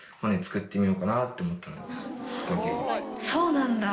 そうなんだ。